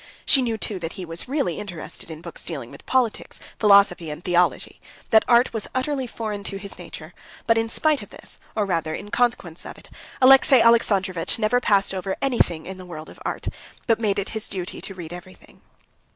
She knew, too, that he was really interested in books dealing with politics, philosophy, and theology, that art was utterly foreign to his nature; but, in spite of this, or rather, in consequence of it, Alexey Alexandrovitch never passed over anything in the world of art, but made it his duty to read everything.